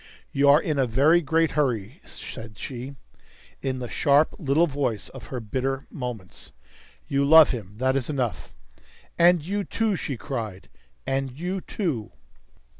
"You are in a very great hurry," said she, in the sharp little voice of her bitter moments. "You love him; that is enough." "And you, too!" she cried. "And you, too!"